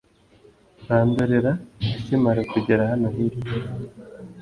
Bandorera akimara kugera hano hirya